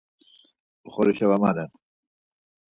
Oxorişa va malen.